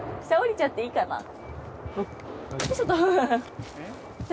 下おりちゃっていいかな？